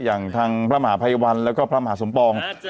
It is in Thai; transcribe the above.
อย่างทางพระมหาภัยวันแล้วก็พระมหาสมปอง